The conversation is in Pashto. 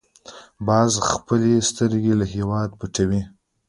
باز خپلې سترګې له هېواده پټوي